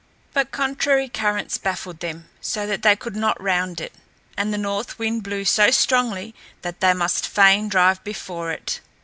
But contrary currents baffled them, so that they could not round it, and the north wind blew so strongly that they must fain drive before it.